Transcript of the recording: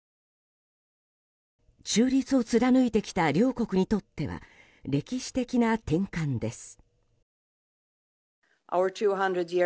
中立を貫いてきた両国にとっては歴史的な転換です。